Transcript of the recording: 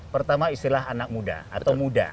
pertama istilah anak muda atau muda